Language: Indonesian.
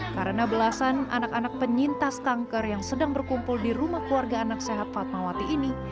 karena belasan anak anak penyintas kanker yang sedang berkumpul di rumah keluarga anak sehat fatmawati ini